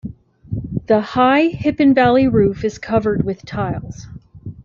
The high, hip-and-valley roof is covered with tiles.